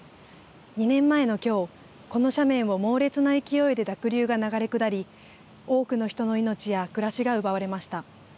２年前のきょうこの斜面を猛烈な勢いで濁流が流れ下り多くの人の命や暮らしが奪われました。